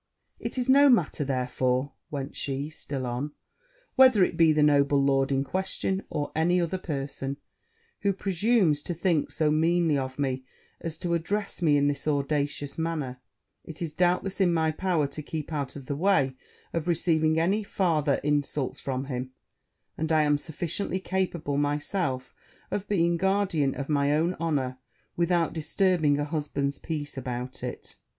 'It is no matter, therefore,' went she still on, 'whether it be the noble lord in question, or any other person who presumes to think so meanly of me as to address me in this audacious manner; it is, doubtless, in my power to keep out of the way of receiving any farther insults from him; and I am sufficiently capable myself of being guardian of my own honour, without disturbing a husband's peace about it.'